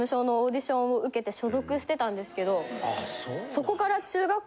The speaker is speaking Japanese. そこから。